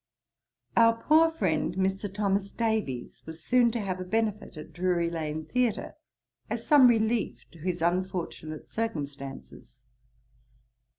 Our poor friend, Mr. Thomas Davies, was soon to have a benefit at Drury lane theatre, as some relief to his unfortunate circumstances.